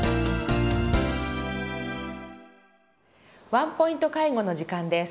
「ワンポイント介護」の時間です。